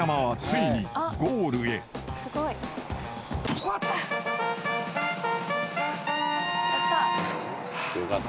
終わった。